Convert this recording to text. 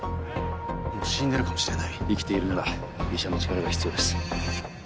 もう死んでるかもしれない生きているなら医者の力が必要です